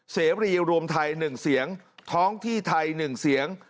เสรีรวมไทย๑เสียงท้องที่ไทย๑เสียง